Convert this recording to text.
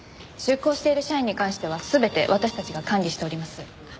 出向している社員に関しては全て私たちが管理しております。